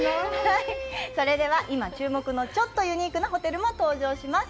それでは今注目のちょっとユニークなホテルも登場します。